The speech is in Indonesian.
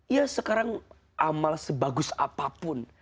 ya sekarang amal sebagus apapun